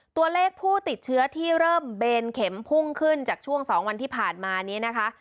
ตัวเลขผู้ติดเชื้อที่เริ่มเบนเข็มพุ่งขึ้นจากช่วง๒วันที่ผ่านมานี้นะคะ